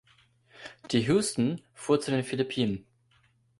Die "Houston" fuhr zu den Philippinen.